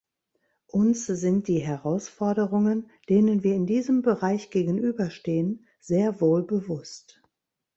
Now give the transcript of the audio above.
Uns sind die Herausforderungen, denen wir in diesem Bereich gegenüberstehen, sehr wohl bewusst.